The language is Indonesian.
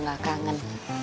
gue gak kangen